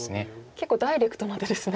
結構ダイレクトな手ですね。